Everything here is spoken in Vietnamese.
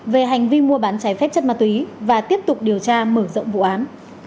về hành vi mua bán trái phép chất ma túy và tiếp tục điều tra mở rộng vụ án